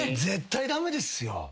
絶対駄目ですよ。